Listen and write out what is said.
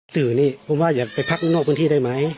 สื่อนี่ผมว่าอยากไปพักนอกพื้นที่ได้ไหม